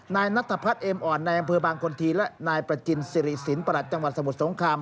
นายนัทพัฒน์เอ็มอ่อนในอำเภอบางคนทีและนายประจินสิริสินประหลัดจังหวัดสมุทรสงคราม